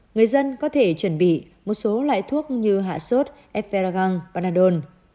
người dân có thể chuẩn bị một số loại thuốc như hạ sốt eferagang vanadol